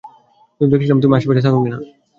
শুধু দেখছিলাম, তুমি আশপাশে থাকো কি-না।